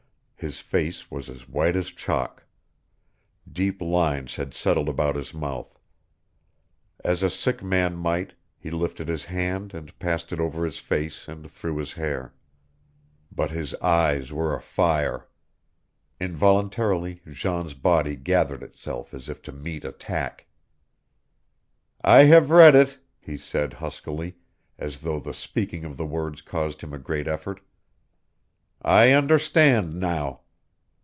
His face was as white as chalk. Deep lines had settled about his mouth. As a sick man might, he lifted his hand and passed it over his face and through his hair. But his eyes were afire. Involuntarily Jean's body gathered itself as if to meet attack. "I have read it," he said huskily, as though the speaking of the words caused him a great effort. "I understand now.